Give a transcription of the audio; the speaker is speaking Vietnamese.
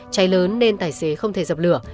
cháy lớn nên tài xế không thể dập lửa